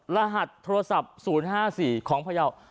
รหัสโทรศัพท์๐๕๔ของพยาว